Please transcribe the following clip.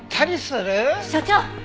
所長！